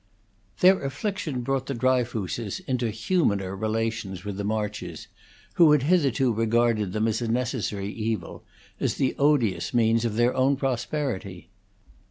Their affliction brought the Dryfooses into humaner relations with the Marches, who had hitherto regarded them as a necessary evil, as the odious means of their own prosperity.